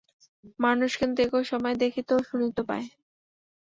মানুষ কিন্তু একই সময়ে দেখিতে ও শুনিতে পায়।